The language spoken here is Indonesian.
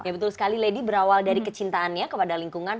ya betul sekali lady berawal dari kecintaannya kepada lingkungan